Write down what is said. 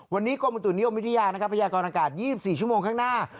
วันนี้กรมอุตุนิยมวิทยานะครับพยากรอากาศ๒๔ชั่วโมงข้างหน้า